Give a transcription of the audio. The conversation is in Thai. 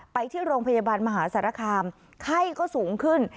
ไปที่โรงพยาบาลมหาสารคามไข้ก็สูงขึ้น